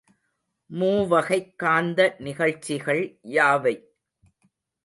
மூவகைக் காந்த நிகழ்ச்சிகள் யாவை?